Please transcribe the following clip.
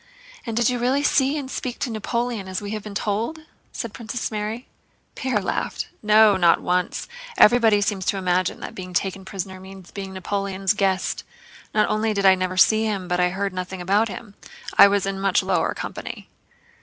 "And did you really see and speak to Napoleon, as we have been told?" said Princess Mary. Pierre laughed. "No, not once! Everybody seems to imagine that being taken prisoner means being Napoleon's guest. Not only did I never see him but I heard nothing about him—I was in much lower company!"